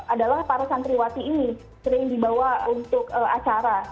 adalah para santriwati ini sering dibawa untuk acara